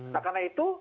nah karena itu